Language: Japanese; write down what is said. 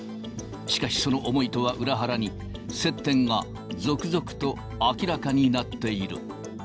しかしその思いとは裏腹に、接点が続々と明らかになっている。